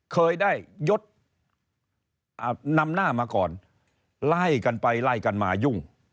เคยได้ยดนำหน้ามาก่อนไล่กันไปไล่กันมายุ่ง